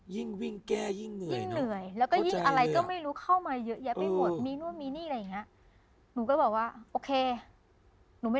ยิ่งวิงแกรยิ่งเหนื่อย